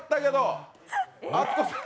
アツコさん。